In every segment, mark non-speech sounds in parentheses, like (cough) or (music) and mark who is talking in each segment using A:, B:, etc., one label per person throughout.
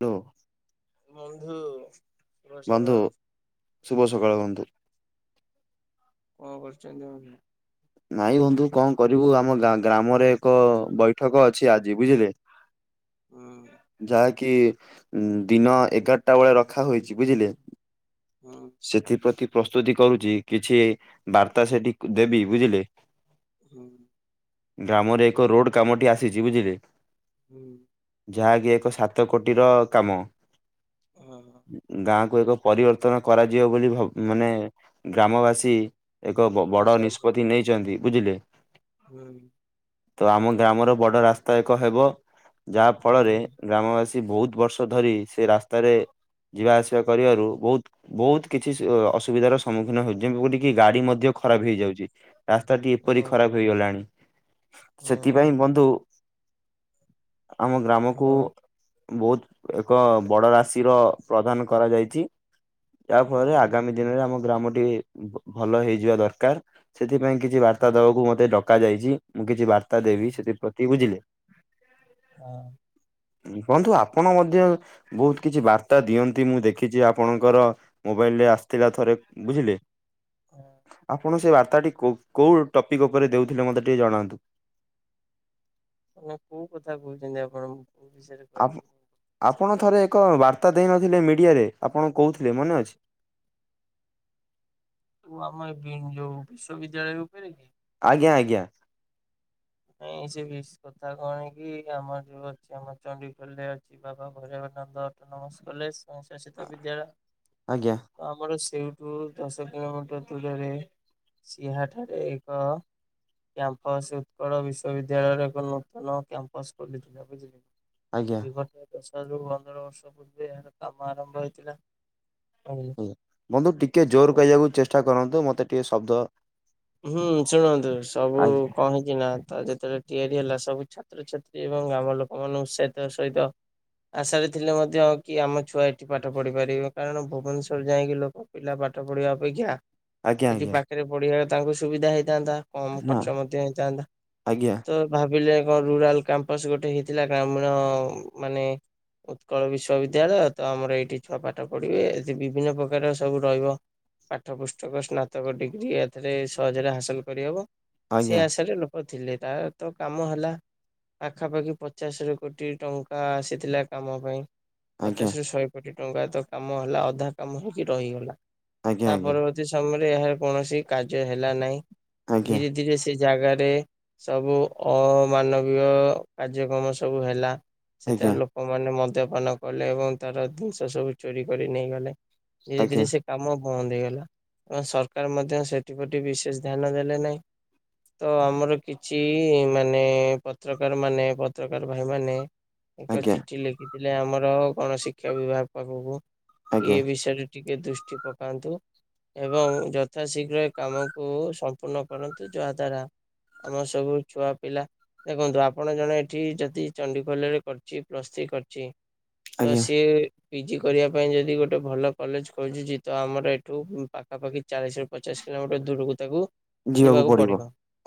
A: ହ (unintelligible)
B: ବଧ (unintelligible)
A: ବନ୍ଧୁ ଶୁଭ ସକାଳ ବନ୍ଧୁ।
B: କଣ କରୁଛନ୍ତି ବନ୍ଧୁ?
A: ନାଇଁ ବନ୍ଧୁ କଣ କରିବୁ। ଆମ ଗାଁ ଗ୍ରାମରେ ଏକ ବୈଠକ ଅଛି ଆଜି ବୁଝିଲେ
B: ହୁଁ (unintelligible)
A: ଯାହାକି ଉ ଦିନ ଏଗାର ଟା ବେଳେ ରଖା ହୋଇଛି ବୁଝିଲେ
B: ହୁଁ
A: ସେଥିପ୍ରତି ପ୍ରସ୍ତୁତି କରୁଛି। କିଛି ବାର୍ତ୍ତା ସେଠି ଦେବି ବୁଝିଲେ
B: ହୁଁ
A: ଗ୍ରାମରେ
B: ହୁଁ
A: ଏକ ରୋଡ କାମଟି ଆସିଛି ବୁଝିଲେ
B: ହୁଁ (unintelligible)
A: ଯାହାକି ଏକ ସାତ କୋଟିର କାମ।
B: ହଁ
A: ଗାଁକୁ ଏକ ପରିବର୍ତ୍ତନ କରାଯିବ ବୋଲି ଭ ମାନେ ଗ୍ରାମବାସୀ ଏକ ବ ବଡ
B: ଆଚ୍ଛା ଆଚ୍ଛା
A: ନିଷ୍ପତ୍ତି ନେଇଛନ୍ତି ବୁଝିଲେ
B: ହୁଁ।
A: ତ ଆମ ଗ୍ରାମର ବଡ ରାସ୍ତା ଏକ ହେବ। ଯାହା ଫଳରେ
B: ହଁ
A: ଗ୍ରାମବାସୀ ବହୁତ ବର୍ଷ ଧରି ସେ ରାସ୍ତାରେ ଯିବା ଆସିବା କରିବାରୁ ବହୁତ ବହୁତ କିଛି ଅସୁବିଧାର ସମ୍ମୁଖୀନ ହଉଛି। ଯେପରିକି ଗାଡି ମଧ୍ୟ ଖରାପ ହେଇଯାଉଛି। ରାସ୍ତାଟି ଏପରି
B: ହଁ
A: ଖରାପ ହେଇଗଲାଣି। ସେଥିପାଇଁ
B: ହଁ
A: ବନ୍ଧୁ ଆମ ଗ୍ରାମକୁ
B: ହଁ
A: ବହୁତ ଏକ ବଡ ରାଶିର ପ୍ରଦାନ କରାଯାଇଛି। ଯାହା ଫଳରେ
B: ହଁ
A: ଆଗାମୀ ଦିନରେ ଆମ ଗ୍ରାମଟି ଭଲ ହେଇଯିବା ଦରକାର। ସେଥିପାଇଁ କିଛି ବାର୍ତ୍ତା ଦବାକୁ ମତେ ଡକା ଯାଇଛି। ମୁଁ କିଛି ବାର୍ତ୍ତା ଦେବି ସେଥିପ୍ରତି ବୁଝିଲେ।
B: ହଁ (unintelligible)
A: ବନ୍ଧୁ ଆପଣ ମଧ୍ୟ ବହୁତ କିଛି ବାର୍ତ୍ତା ଦିଅନ୍ତି। ମୁଁ ଦେଖିଛି ଆପଣଙ୍କର ମୋବାଇଲ ରେ ଆସିଥିଲା ଥରେ ବୁଝିଲେ। ଆପଣ ସେ ବାର୍ତ୍ତାଟି କୋ କୋଉ ଟପିକ୍ ଉପରେ ଦେଉଥିଲେ। ମୋତେ ଟିକେ ଜଣାନ୍ତୁ?
B: ମାନେ କୋଉ କଥା କହୁଛନ୍ତି ମୋ ଆପଣ ବିଷୟରେ?
A: ଆ
B: କହିବି ବିଶେଷ
A: ଆପଣ ଥରେ ଏକ ବାର୍ତ୍ତା ଦେଇନଥିଲେ ମିଡିଆରେ ଆପଣ କହୁଥିଲେ ମନେ ଅଛି?
B: (unintelligible) ଆମ ଏ ଯୋଉ ବିଶ୍ବିଦ୍ୟାଳୟ ଉପରେ କି?
A: ଆଜ୍ଞା-ଆଜ୍ଞା।
B: ଏଇଁ ସେ ବ କଥା କଣ କି ଆମର ଯୋଉ ଅଛି ଆମ ଚଣ୍ଡିଖୋଲ ରେ ଅଛି ବାବା ଭୈରବାନନ୍ଦ ଅଟୋନମିକସ କଲେଜ ଶାସିତ ବିଦ୍ୟାଳୟ
A: ଆଜ୍ଞା
B: (unintelligible) ଆମର ସେଇଠୁ ଦଶ କିଲୋମିଟର ଦୂରରେ ସିହାଠାରେ ଏକ କ୍ୟାମ୍ପସ କଣ ବିଶ୍ବିଦ୍ୟାଳୟରେ କରୁନଥଲ କ୍ୟାମ୍ପସ୍ ଖୋଲିଥିଲା
A: ଆଜ୍ଞା
B: ବୁଝିଲ। (inaudible) ଦଶରୁ ପନ୍ଦର ବର୍ଷ ପୂର୍ବେ ଏହାର କାମ ଆରମ୍ଭ ହେଇଥିଲା। କହିଲେ
A: ଆଜ୍ଞା। ବନ୍ଧୁ ଟିକେ ଜୋର୍
B: ସବୁ
A: କଇଆକୁ ଚେଷ୍ଟା କରନ୍ତୁ ମତେ ଟିକେ ଶବ୍ଦ
B: ହୁଁ ଶୁଣନ୍ତୁ ସବୁ
A: ଆଜ୍ଞା
B: କଣ ହେଇଛି ନା ତା ଯେତେବେଳେ ତିଆରି ହେଲା ସବୁ ଛା ଛାତ୍ରଛାତ୍ରୀ ଏବଂ ଗ୍ରାମ ଲୋକ ମାନଙ୍କ ସଇତ ସଇତ ଆଶାରେ ଥିଲେ ମଧ୍ୟ କି ଆମ ଛୁଆ ଏଠି ପାଠ ପଢିପାରିବେ କାରଣ ଭୁବନେଶ୍ଵର ଯାଇଁକି ଲୋକ ପିଲା ପାଠ ପଢିବା ଅପେକ୍ଷା
A: ଆଜ୍ଞା
B: ଏଠି
A: ଆଜ୍ଞା
B: ପାଖରେ ପଢିବା ତାଙ୍କୁ ସୁବିଧା ହେଇଥାନ୍ତା। କମ
A: ନା
B: ଖର୍ଚ୍ଚ ମଧ୍ୟ ହେଇଥାନ୍ତା
A: ଆଜ୍ଞା
B: ତ ଭାବିଲେ କଣ ରୁରାଲ଼ କ୍ୟାମ୍ପାସ ଗୋଟେ ହେଇଥିଲା ଗ୍ରାମୀଣ ମାନେ ଉତ୍କଳ ବିଶ୍ବିଦ୍ୟାଳୟ ତ ଆମର ଏଇଠି ଛୁଆ ପାଠ ପଢିବେ ଏଠି ବିଭିନ୍ନ ପ୍ରକାର ସବୁ ରଇବ। ପାଠ ପୁସ୍ତକ ସ୍ନାତକ ଡିଗ୍ରୀ ଏଥିରେ ସହଜରେ ହାସଲ୍ କରିହବ
A: ଆଜ୍ଞା
B: ସେ ଆଶାରେ ଲୋ ଓ ଥିଲେ ତାର ତ କାମ ହେଲା। ପାଖାପାଖି ପଚାଶ ରୁ କୋଟିଏ ଟଙ୍କା ଆସିଥିଲା କାମ ପାଇଁ।
A: ଆଜ୍ଞା
B: ପଚାଶ୍ ରୁ ଶହେ କୋଟି ଟଙ୍କା ତ କାମ ହେଲା ଅଧା କାମ ହେଇକି ରହିଗଲା।
A: ଆଜ୍ଞା
B: ତା ପରବର୍ତ୍ତୀ ସମୟରେ ଏହାର କୌଣସି କାର୍ଯ୍ୟ ହେଲା ନାହିଁ
A: ଆଜ୍ଞା
B: ଧୀରେ ଧୀରେ ସେ ସେ ଜାଗାରେ ସବୁ ଅମାନବୀୟ କାର୍ଯ୍ୟକ୍ରମ ସବୁ ହେଲା।
A: ଆଜ୍ଞା ଆଜ୍ଞା
B: ସେଥାରେ ଲୋକମାନେ ମଦ୍ୟପାନ କଲେ ଏବଂ ତାର ଦିନ୍ଷ ସବୁ ଚୋରି କରି ନେଇଗଲେ। ଧୀରେ
A: ଆଜ୍ଞା
B: ଧୀରେ ସେ କାମ ବନ୍ଦ ହେଇଗଲା ଏବଂ ସରକାର ମଧ୍ୟ ସେ ସେଥିପ୍ରତି ବିଶେଷ୍ ଧ୍ୟାନ ଦେଲେ ନାଇଁ। ତ ଆମର କିଛି ମାନେ ପତ୍ରକାର ମାନେ ପତ୍ରକାର ଭାଇ ମାନ ଏକ
A: ଆଜ୍ଞା
B: ଚିଠି ଲେଖିଥିଲେ ଆମର ଗଣଶିକ୍ଷା ବିଭାଗ ପାଖକୁ,
A: ଆଜ୍ଞା
B: ଏ ବିଷୟରେ ଟିକେ ଦୃଷ୍ଟି ପକାନ୍ତୁ ଏବଂ ଯଥା ଶୀଘ୍ର କାମକୁ ସମ୍ପୂର୍ଣ୍ଣ କରନ୍ତୁ ଯାହା ଦ୍ଵାରା ଆମ ସବୁ ଛୁଆ ପିଲା ଦେଖନ୍ତୁ ଆପଣ ଜଣେ ଏଠି ଯଦି ଚଣ୍ଡିଖୋଲରେ କରିଚି ପ୍ଲସ୍ ଥ୍ରୀ କରିଛି। ତ
A: ଆଜ୍ଞା
B: ସିଏ ପିଜି କରିବା ପାଇଁ ଯଦି ଗୋଟେ ଭଲ କଲେଜ ଖୋଜୁଛି ତ ଆମର ଏଠୁ ଉଁ ପାଖାପାଖି ଚାଳିଶ୍ ରୁ ପଚାଶ୍ କିଲୋମିଟର ଦୂରୁକୁ ତାକୁ
A: ଯିବାକୁ ପଡିବ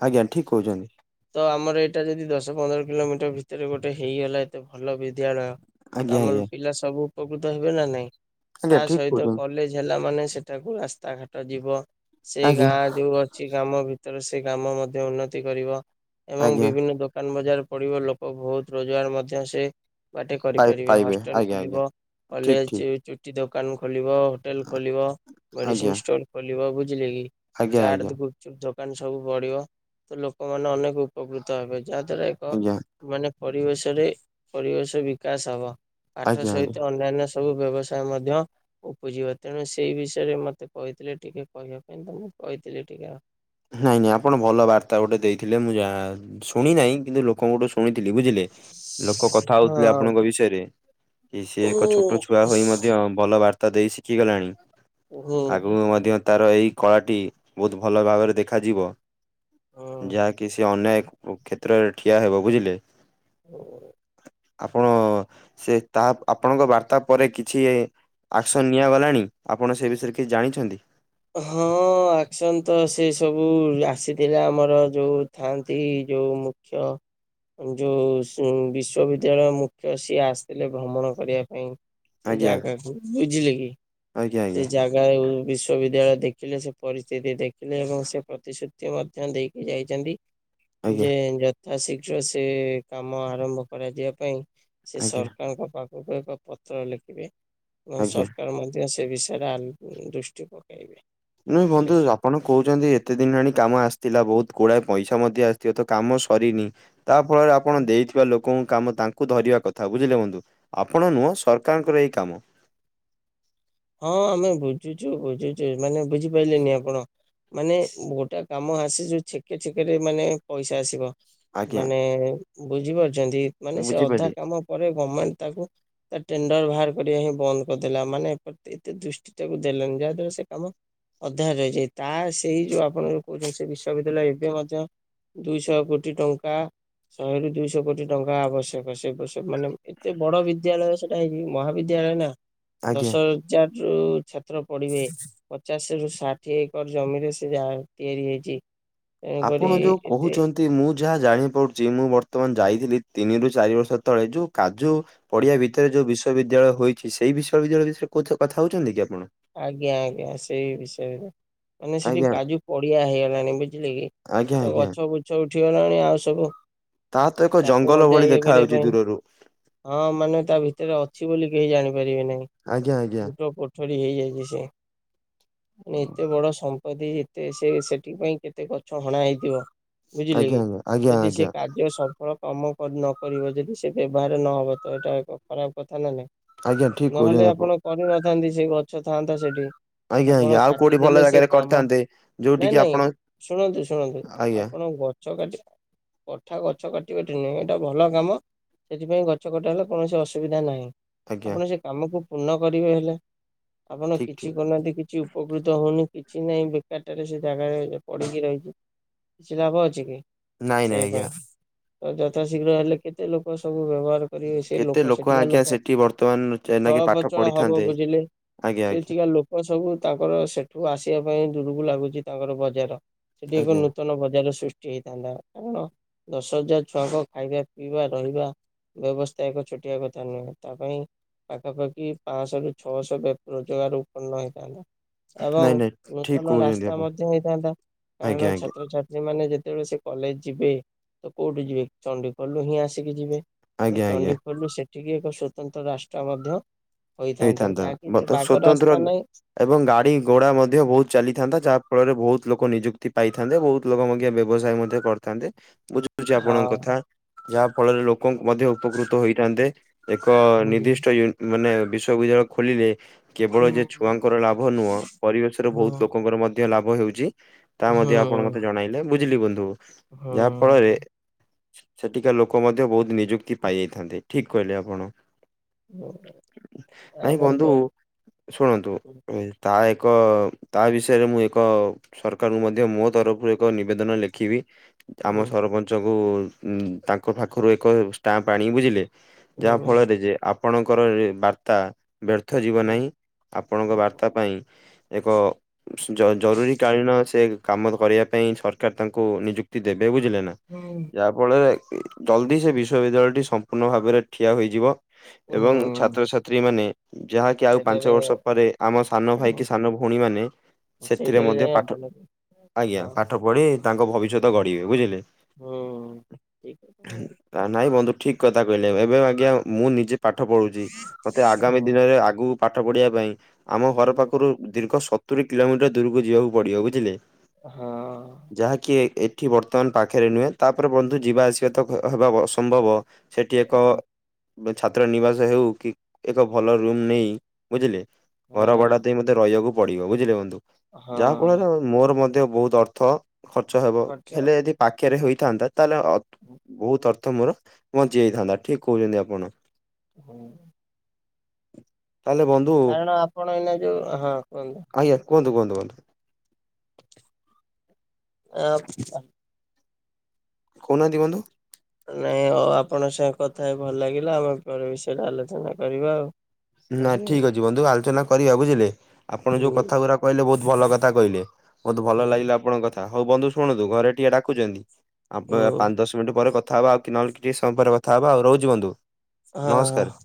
A: ଆଜ୍ଞା ଠିକ୍ କୋହୁଛନ୍ତି।
B: ତ ଆମର ଏଇଟା ଯଦି ଦଶ ପନ୍ଦର କିଲୋମିଟର ଭିତରେ ଗୋଟେ ହେଇଗଲା ଏତେ ଭଲ ବିଦ୍ୟାଳୟ ତ
A: ଆଜ୍ଞା ଆଜ୍ଞା
B: ଆମଲ ପିଲା ସବୁ ଉପକୃତ ହେବେ ନା ନାଇଁ
A: ଆଜ୍ଞା
B: ତା
A: ଠିକ
B: ସହିତ
A: କହୁଛନ୍ତି
B: କଲେଜ୍ ଜ୍ ହେଲା ମାନେ ସେଠାକୁ ରାସ୍ତା ଘାଟ ଯିବ ସେ
A: ଆଜ୍ଞା
B: ଗାଁ ଯୋଉ କିଛି ଗାମ ବିତରୁ ସେ ଗାମ ମାଧ୍ୟ୍ୟ ଉର୍ନତି କରିବ ଏବଂ
A: ଆଜ୍ଞା
B: ବିଭିନ୍ନ ଡକୁ ଦୋକାନ୍ ବଜାର ପଡିବ ଲୋକ ଭୋଉତ୍ ରୋଜୁଗାର ମଧ୍ୟ ସେ ବାଟେ
A: ପାଇ
B: କରିପାରିବେ
A: ପାଇବେ
B: ହଷ୍ଟେଲ
A: ଆଜ୍ଞା ଆଜ୍ଞା
B: ଖୋଲିବ
A: ଠିକ
B: କଲେଜ୍
A: ଠିକ
B: ଚୁଟି ଦୋକାନ୍ ଖୋଲିବ, ହୋଟେଲ୍ ଖୋଲିବ,
A: ଆଜ୍ଞା
B: ମେଡିସିନ୍ ଷ୍ଟୋର ଖୋଲିବ ବୁଝିଲେ କି?
A: ଆଜ୍ଞା
B: ଚାଟ୍
A: ଆଜ୍ଞା
B: ଜେଦି ଗୁପଚୁପ୍ ଦୋକାନ୍ ସବୁ ପଡିବ ତ ଲୋକମାନେ ଅନେକ ଉପକୃତ ହେବେ ଯାହା ଦ୍ଵାରା କ
A: ଆଜ୍ଞା
B: ମାନେ ପରିବେଶରେ ପରିବେଶ ବିକାଶ୍ ହବ ପାଠ
A: ଆଜ୍ଞା ଆଜ୍ଞା
B: ସଇତ ଅନ୍ୟାନ୍ୟ ସବୁ ବ୍ୟବସାୟ ମଧ୍ୟ ଉପୁଜିବ ତେଣୁ ସେଇ ବିଷୟରେ ମତେ କହିଥିଲେ ଟିକେ କହିବା ପାଇଁ ତ ମୁଁ କହିଥିଲି ଟିକେ ଆଉ।
A: ନାଇଁ ନାଇଁ ଆପଣ ଭଲ ବାର୍ତ୍ତା ଗୋଟେ ଦେଇଥିଲେ ମୁଁ ଯାହା ଶୁଣି ନାହିଁ କିନ୍ତୁ ଲୋକଙ୍କଠୁ ସୁ ଶୁଣିଥିଲି ବୁଝିଲେ ଲୋକ କଥା ହୋଉଥିଲେ
B: ହଁ
A: ଆପଣଙ୍କ ବିଷୟରେ। କି ସିଏ ଏକ
B: ହୁଁ
A: ଛୋଟ ଛୁଆ ହୋଇ ମ ମଧ୍ୟ ବଲ ବାର୍ତ୍ତା ଦେଇ ଶିଖିଗଲାଣି ଆଗୁକୁ ମଧ୍ୟ ତାର ଏଇ କଳାଟି ବୋହୁତ୍ ଭଲ ଭାବରେ ଦେଖାଯିବ, ଯାହାକି ସେ ଅନେକ୍ ଉଁ କ୍ଷେତ୍ରରେ ଠିଆ ହେବ ବୁଝିଲେ?
B: ହୁଁ।
A: ଆପଣ ସେ ତାହା ଆପଣଙ୍କ ବାର୍ତ୍ତା ପରେ କିଛି। ଆକ୍ସନ ନିଆଗଲାଣି ଆପଣ ସେ ବିଷୟରେ କିଛି ଜାଣିଛନ୍ତି।
B: ହଁ ଆକ୍ସନ୍ ତ ସେ ସବୁ ଆସିଥିଲା ଆମର ଯୋଉ ଥାଆନ୍ତି ଯୋଉ ମୁ। ଖ୍ୟ। ଯୋଉ ବିଶ୍ଵବିଦ୍ୟାଳୟ ମୁଖ୍ୟ ସିଏ ଆସିଥିଲେ ଭ୍ରମଣ କରିବା ପାଇଁ। ସେ
A: ଆଜ୍ଞା
B: ଜାଗାକୁ ବୁଝିଲେ କି
A: ଆଜ୍ଞା ଆଜ୍ଞା
B: ସେ ଜାଗା ବି ବିଶବିଦ୍ୟାଳୟ ଦେଖିଲେ ସେ ପରିସ୍ଥିତି ଦେଖିଲେ ଏବଂ ସେ ପ୍ରତିଶ୍ରୁତି ମଧ୍ୟ ଦେଇକି ଯାଇଛନ୍ତି। ଯେ
A: ଆଜ୍ଞା
B: ଯଥା ଶୀଘ୍ର ସେ କାମ ଆରମ୍ଭ କରାଯିବା ପାଇଁ। ସେ
A: ଆଜ୍ଞା
B: ସରକାରଙ୍କ ପାଖକୁ ଏକ ପତ୍ର ଲେଖିବେ ଏବଂ
A: ଆଜ୍ଞା
B: ସରକାର ମଧ୍ୟ ସେ ବିଷୟରେ ଆଲ ଦୃଷ୍ଟିି ପ
A: ମୁଁ ବନ୍ଧୁ ରା ଆପଣ କହୁଛନ୍ତି ଏତେ ଦିନି ହେଲାଣି କାମ ଆସିଥିଲା ବହୁତ କୁଡ଼ାଏ ପଇସା ମଧ୍ୟ ଆସିଥିବ ତ କାମ ସରିନି। ତାପରେ ଆପ୍ ଆପଣ
B: କି।
A: ଦେଇଥିବା ଲୋକଙ୍କ କାମ ତାଙ୍କୁ ଧରିବା କଥା ବୁଝିଲେ ବନ୍ଧୁ ଆପଣ ନୁହଁ ସରକାରଙ୍କର ଏଇ କାମ।
B: ହଁ ଆମେ ବୁଝୁଛୁ ବୁଝୁଛୁ ମାନେ ବୁଝିପାରିଲେନି ଆପଣ। ମାନେ ଗୋଟା କାମ ଆସେ ଯୋଉ ଛେକେ ଛେକେରେ ମାନେ ପଇସା ଆସିବ।
A: ଆଜ୍ଞା
B: ମାନେ ବୁଝିପାରୁଛନ୍ତି ମାନେ ସେ ଅଧା
A: ବୁଝିପାରିଲେ
B: କାମ। ପରେ ଗଭର୍ଣ୍ଣମେଣ୍ଟ ତାକୁ ତା ଟେଣ୍ଡର ବାହାର କରିବା ହିଁ ବନ୍ଦ କରିଦେଲା ମାନେ। ଏତେ ଦୃଷ୍ଟି ଟାକୁ ଦେଲେନି ଯାହାଦ୍ଵାରା ସେ କାମ। ଅଧାରେ ରହିଯାଇଛି ତା ସେଇ ଯୋଉ ଆପଣ ଯୋଉ କହୁଛନ୍ତି ସେ ବିଶ୍ବିଦ୍ୟାଳୟ ଏବେ ମଧ୍ୟ। ଦୁଇଶହ କୋଟି ଟଙ୍କା ଶହେରୁ ଦୁଇଶହ କୋଟି ଟଙ୍କା ଆବଶ୍ୟ ଦେଖ ସେ ସେ ମାନେ ଏତେ ବଡ ବିଦ୍ୟାଳୟ ସେଟା ହେଇଛି ମହାବିଦ୍ୟାଳୟ ନା
A: ଆଜ୍ଞା।
B: ଦଶ ହଜାର ରୁ ଛାତ୍ର ପଢିବେ। ପଚାଶ ରୁ ଷାଠିଏ ଏକର ଜମିରେ ସେ ଯା ତିଆରି ହେଇଛି। ତେଣୁକରି
A: ଆପଣ ଯୋଉ
B: ଏତେ
A: କହୁଛନ୍ତି। ମୁଁ ଯାହା ଜାଣିପାରୁଛି ମୁଁ ବର୍ତ୍ତମାନ ଯାଇଥିଲି ତିନି ରରୁ ଚାରି ବର୍ଷ ତଳେ ଯୋଉ କାଜୁ। ପଡିଆ ଭିତରେ ଯୋଉ ବିଶ୍ୱବିଦ୍ୟାଳୟ ହୋଇଛି ସେଇ ବିଶ୍ୱବିଦ୍ୟାଳୟ ବିଷୟରେ କୋ କଥା ହଉଛନ୍ତି କି ଆପଣ।
B: ଆଜ୍ଞା ଆଜ୍ଞା ସେଇ ବିଷୟରେ‌। ମାନେ ସେଠି
A: ଆଜ୍ଞା
B: କାଜୁ ପଡିଆ ହେଇଗଲାଣି ବୁଝିଲେ କି
A: ଆଜ୍ଞା
B: ତ
A: ଆଜ୍ଞା
B: ଗଛ ବୁ ଛ ଉଠି ଗଲାଣି ଆଉ ସବୁ।
A: ତାହା ତ ଏକ
B: ତାକୁ
A: ଜଙ୍ଗଲ
B: ମଧ୍ୟ
A: ଭଳି
B: ଇଏ କରିବା
A: ଦେଖାଯାଉଛି
B: ପାଇଁ
A: ଦୂରରୁ।
B: ହଁ ମାନେ ତା ଭିତରେ ଅଛି ବୋଲି କେହି ଜାଣିପାରିବେ
A: ଆଜ୍ଞା ଆଜ୍ଞା
B: ନାହିଁ ଗୋ ଏମିତି ହେଇଯାଇେ ସେ। ମାନେ ଏତେ ବଡ ସମ୍ପତ୍ତି ଏତେ ସେ ସେଥି ପାଇଁ କେତେ ଗଛ ହଣା ହେଇଥିବ। ବୁଝିଲେ
A: ଆଜ୍ଞା
B: କି
A: ଆଜ୍ଞା ଆଜ୍ଞା
B: ଯଦି ସେ
A: ଆଜ୍ଞା
B: କା ଯେବେ ସଫଳ କାମ ନ କରିବ ଯଦି ସେ ବ୍ୟବହାର ନହବ ତ ଏଇଟା ଏକ ଖରାପ କଥା ନା ନାଇଁ।
A: ଆଜ୍ଞା ଠିକ କହୁଛନ୍ତି
B: ନହେଲେ ଆପଣ କରିନଥାନ୍ତେ ସେ ଗଛ ଥାଆନ୍ତା ସେଠି।
A: ଆଜ୍ଞା
B: ଆପଣ
A: ଆଜ୍ଞା ଆଉ କୋଉଠି ଭଲ
B: କାଟିଦେଲେ ସେ
A: ଜାଗାରେ
B: କାମ
A: କରିଥାନ୍ତେ ଯୋଉଠି
B: ନାଇଁ
A: କିି
B: ନାଇଁ
A: ଆପଣ
B: ଶୁଣନ୍ତୁ ଶୁଣନ୍ତୁ
A: ଆଜ୍ଞା
B: ଆପଣ ଗ ଛ କାଟି। କଥା ଗଛ କାଟିବା ଠି ନୁହଁ ଏଇଟା ଭଲ କାମ ସେଥିପାଇଁ ଗଛ କଟା ହେଲେ କୌଣସି ଅସୁବିଧା ନାହିଁ।
A: ଆଜ୍ଞା
B: ଆପଣ ସେ କାମକୁ ପୂର୍ଣ୍ଣ କରିବେ ହେଲେ ଆପଣ
A: ଠିକ
B: କିଛି
A: ଠିକ
B: କରୁ ନାହାନ୍ତି କିଛି। ଉପକୃତ ହଉନି କିଛି ନାହିଁ ବେକାରଟାରେ ସେ ଜାଗାରେ ପଡିକି ରହିଛି। କିଛି ଲାଭ ଅଛି କି
A: ନାଇଁ ନାଇଁ
B: ସେଇ
A: ଆଜ୍ଞା
B: ପାଇଁ ତାକୁ ଯଥାଶୀଘ୍ର ହେଲେ କେତେ ଲୋକ ସବୁ ବ୍ୟବହାର। କରିବେ ସେ
A: କେତେ
B: ଲୋକ ସେଠିକା
A: ଆଜ୍ଞା
B: ଲୋକ
A: ସେଠି ବର୍ତ୍ତମାନ ଏଇନାକେ ପାଠ
B: ଚଳପ୍ରଚଳ ହବ
A: ପଢିଥାନ୍ତେ
B: ବୁଝିଲେ।
A: ଆଜ୍ଞା ଆଜ୍ଞା
B: ସେଠିକା ଲୋକ ସବୁ ତାଙ୍କର ସେଠୁ ଆସିବା ପାଇଁ ଦୂରକୁ ଲାଗୁଛି ତାଙ୍କର ବଜାର। ସେଠି
A: ଆଜ୍ଞା।
B: ଏକ ନୂତନ ବଜାର ସୃଷ୍ ହେଇଥାନ୍ତା କାରଣ ଦଶ ହଜାର ଛୁଆଙ୍କ ଖାଇବା ପିଇବା ରହିବା ବ୍ୟବସ୍ଥା ଏକ ଛୋଟିଆ କଥା ନୁହେଁ ତା ପାଇଁ ପାଖାପାଖି ପାଆଁଶ ରୁ ଛଅଶ ବ ରୋଜଗାର ଉତ୍ପନ୍ନ ହୋଇଥାନ୍ତା।
A: ନାଇଁ
B: ଏବଂ
A: ନାଇଁ ଠିକ
B: ନୂତନ
A: କହୁଛନ୍ତି
B: ରାସ୍ତା
A: ଆପଣ
B: ମଧ୍ୟ ହେଇଥାନ୍ତା
A: ଆଜ୍ଞା
B: କାରଣ
A: ଆଜ୍ଞା
B: ଛାତ୍ରଛା ସେମାନେ ଯେତେବେଳେ ସେ କଲେଜ ଯିବେ ତ କୋଉଠି ଯିବେ ଚଣ୍ଡୀଗୋଲରୁ ହିଁ ଆସିକି ଯିବେ।
A: ଆଜ୍ଞା ଆଜ୍ଞା
B: ଚଣ୍ଡି ଖୋଲରୁ ସେଠିକି ଏକ ସ୍ଵତନ୍ତ୍ର ରାସ୍ତା ମଧ୍ୟ ହୋଇଥାନ୍ତା ଯାହାକି ସେ
A: ତ
B: ବାଗ
A: ସ୍ଵତନ୍ତ୍ର
B: ରାସ୍ତା ନାହିଁ
A: ଏବଂ ଗାଡି ଘୋଡା ମଧ୍ୟ ବହୁତ ଚାଲିଥାନ୍ତା ଯାହା ଫଳରେ ବହୁତ ଲୋକ ନିଯୁକ୍ତି ପାଇଥାନ୍ତେ, ବହୁତ ଲୋକ ମଧ୍ୟ ବ୍ୟବସାୟ ମଧ୍ୟ କରିଥାନ୍ତେ ବୁଝି ପାରୁଚି ଆପଣଙ୍କ
B: ହଁ
A: କଥା ଯାହା ଫଳରେ ଲୋ କ ମଧ୍ୟ ଉପକୃତ ହୋଇ ଥାନ୍ତେ ଏକ
B: ହୁଁ
A: ନିର୍ଧିଷ୍ଟ ଇଏ ମାନେ ସବୁଯାକ ଖୋଲିଲେ କେବଳ
B: ହୁଁ
A: ଯେ ଛୁଆଙ୍କର ଲାଭ ନୁହଁ ପରିବେଶରେ ବହୁତ ଲୋକଙ୍କର ମ ଲାଭ ହେଉଛି ତା
B: ହୁଁ
A: ମଧ୍ୟ ଆପଣ ମତେ ଜଣାଇଲେ ବୁଝିଲି ବନ୍ଧୁ ଯାହା
B: ହୁଁ
A: ଫଳରେ ସେଠିକା ଲୋକ ମଧ୍ୟ ବହୁତ ନିଯୁକ୍ତି ପାଇଯାଇଥାନ୍ତି ଠିକ କହିଲେ ଆପଣ।
B: ହଁ।
A: ନାଇଁ ବନ୍ଧୁ ଶୁଣନ୍ତୁ ତା ଏକ ତା ବିଷୟରେ ମୁଁ ଏକ ସରକାରଙ୍କୁ ମଧ୍ୟ ମୋ ତରଫରୁ ଏକ ନିବେଦନ ଲେଖିବି। ଆମ
B: କରିବୁ?
A: ସରପଞ୍ଚଙ୍କୁ ତାଙ୍କ ପାଖରୁ ଏକ ଷ୍ଟାମ୍ପ ଆଣିବି ବୁଝିଲେ।
B: ହୁଁ
A: ଯାହା ଫଳରେ ଯେ ଆପଣଙ୍କର ବାର୍ତ୍ତା ବ୍ୟର୍ଥ ଯିବ ନାହିଁ ଆପଣଙ୍କ ବାର୍ତ୍ତା ପାଇଁ ଏକ ଜରୁରୀ କାଳୀନ ସେ କାମ କରିବା ପାଇଁ ସରକାର ତାଙ୍କୁ ନିଯୁକ୍ତି ଦେବେ ବୁଝିଲେ ନା।
B: ହୁଁ।
A: ଯାହାଫଳରେ ଜଲଦି ସେ ବିଶ୍ୱବିଦ୍ୟାଳୟଟି ସମ୍ପୂର୍ଣ୍ଣ ଭାବରେ ଠିଆ ହୋଇଯିବ ଏବଂ ଛା
B: ହୁଁ
A: ଛାତ୍ରଛାତ୍ରୀ ମାନେ ଯାହାକି ଆଉ ପାଞ୍ଚ
B: ସେଠାରେ
A: ବର୍ଷ ପରେ ଆମ ସାନ ଭାଇ କି ସାନ ଭଉଣୀ ମାନେ ସେଥିରେ
B: ସେଇଠାରେ
A: ମଧ୍ୟ
B: ଯାଇ
A: ପାଠ
B: ଅଧା ଲାଗେ।
A: ଆଜ୍ଞା
B: ହଁ
A: ପାଠ ପଢି ତାଙ୍କ ଭବିଷ୍ୟତ ଗଢିବେ ବୁଝିଲେ।
B: ହୁଁ ଠିକ ହୁଁ
A: ନା ନାଇଁ ବନ୍ଧୁ ଠିକ କଥା କହିଲେ ଏବେ ଆଜ୍ଞା ମୁଁ ନିଜେ ପାଠ ପଢୁଛି ମତେ
B: ହୁଁ
A: ଆଗାମୀ ଦିନରେ ଆଗୁ ପାଠ ପଢିବା ପାଇଁ ଆମ ଘର
B: ହଁ
A: ପାଖରୁ ଦୀର୍ଘ ସ ତୁରି କିଲୋମିଟର ଦୂରକୁ ଯିବାକୁ ପଡ଼ିବ ବୁଝିଲେ।
B: ହଁ।
A: ଯାହାକି ଏଠି ବର୍ତ୍ତମାନ ପାଖରେ ନୁହେଁ ତାପରେ ବନ୍ଧୁ ଯିବା ଆସିବା ତ ହେବା ଅସମ୍ଭବ। ସେଠି ଏକ ଛାତ୍ର ନିବାସ ହେଉ କି ଏକ ଭଲ ରୁମ୍ ନେଇ ବୁଝିଲେ ଘର
B: ହଁ
A: ଭଡା ଦେଇ ମତେ ରହିବାକୁ ପଡିବ ବୁଝିଲେ ବନ୍ଧୁ। ଯାହା
B: ହଁ
A: ଫଳରେ ମୋର ମଧ୍ୟ ବହୁତ ଅର୍ଥ ଖର୍ଚ୍ଚ ହେବ
B: ଖର୍ଚ୍ଚ
A: ହେଲେ ଏଦି ପାଖରେ ହୋଇଥାନ୍ତା ତାହେଲେ ବହୁତ ଅର୍ଥ ମୋର ବଞ୍ଚି ଯାଇଥାନ୍ତା ଠିକ କହୁଛନ୍ତି ଆପଣ।
B: ହୁଁ।
A: ତାହଲେ ବନ୍
B: କାରଣ ଆପଣ ଏଇନା ଯୋଉ ହଁ କୁହନ୍ତୁ।
A: ଆଜ୍ଞା କୁହନ୍ତୁ କୁହନ୍ତୁ କୁହନ୍ତୁ।
B: ଆ
A: କହୁନାହାନ୍ତି ବନ୍ଧୁ।
B: ନାଇଁ ଆଉ ଆପଣଙ୍କ ସଙ୍ଗେ କଥା ହେଇ ଭଲ ଲାଗିଲା ଆମର ବିଷୟରେ ଆଲୋଚନା କରିବା ଆଉ।
A: ନା ଠିକ୍ ଅଛି ବନ୍ଧୁ ଆଲୋଚନା କରିବା ବୁଝିଲେ ଆପଣ ଯୋଉ କଥା ଗୁରା କହିଲେ ବହୁତ ଭଲ କଥା କହିଲେ, ବହୁତ ଭଲ ଲାଗିଲା ଆପଣଙ୍କ କଥା ହଉ ବନ୍ଧୁ ଶୁଣନ୍ତୁ ଘରେ ଟିକେ ଡାକୁଛନ୍ତି, ଆମ ପାଞ୍ଚ ଦଶ ମିନିଟ୍ ପରେ କଥା ହବା ଆଉ କି ନହେଲେ କିଛି ସମୟ ପରେ କଥା ହବା ଆଉ ରହୁଛି ବନ୍ଧୁ, ନମସ୍କାର।
B: ହଁ, ହଁ।